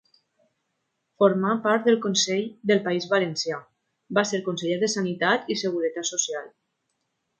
Formà part del Consell del País Valencià, va ser Conseller de Sanitat i Seguretat Social.